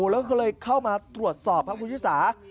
แล้วก็เลยเข้ามาตรวจสอบครับคุณชิสา